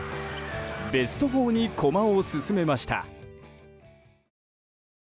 ベスト４に駒を進めました。